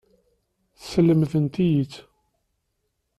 Slemden-iyi-tt.